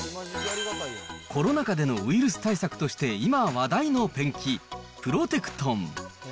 コロナ禍でのウイルス対策として今話題のペンキ、プロテクトン。